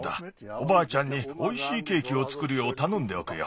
おばあちゃんにおいしいケーキをつくるようたのんでおくよ。